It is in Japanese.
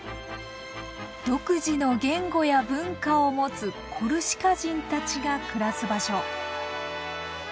独自の言語や文化を持つコルシカ人たちが暮らす場所。